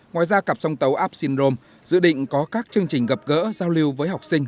ngoài ra cặp song tấu apsin rome dự định có các chương trình gặp gỡ giao lưu với học sinh